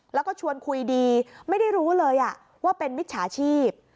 แล้วก็ชวนคุยดีไม่ได้รู้เลยว่าเป็นมิจฉาชีพ